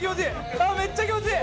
ああーめっちゃ気持ちいい！